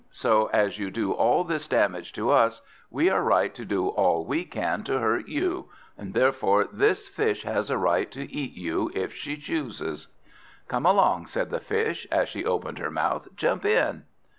So as you do all this damage to us, we are right to do all we can to hurt you, and therefore this Fish has a right to eat you if she chooses." "Come along," said the Fish, as she opened her mouth; "jump in!"